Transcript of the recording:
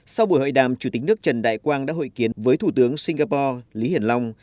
sau buổi hội đàm chủ tịch nước trần đại quang đã hội kiến với thủ tướng singapore lý hiển long